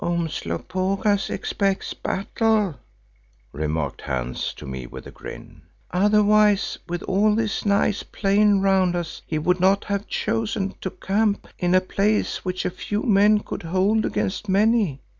"Umslopogaas expects battle," remarked Hans to me with a grin, "otherwise with all this nice plain round us he would not have chosen to camp in a place which a few men could hold against many.